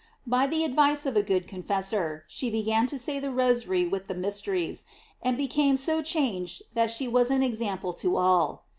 By the advice of a good confessor, she began to say the Rosary with the mysteries, and became so changed that she was an example to all.